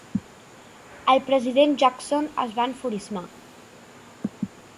El president Jackson es va enfurismar.